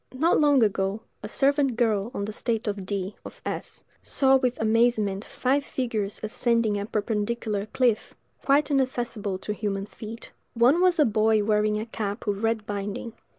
Not long ago, a servant girl on the estate of D——, of S——, saw with amazement five figures ascending a perpendicular cliff, quite inaccessible to human feet; one was a boy wearing a cap with red binding.